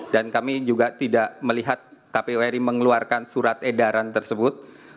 dan kami juga tidak melihat kpuri mengeluarkan surat edaran tersebut